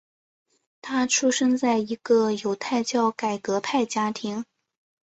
他出生在一个犹太教改革派家庭。